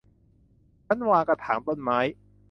ชั้นวางกระถางต้นไม้